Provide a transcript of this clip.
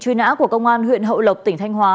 truy nã của công an huyện hậu lộc tỉnh thanh hóa